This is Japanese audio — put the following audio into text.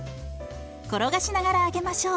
転がしながら揚げましょう。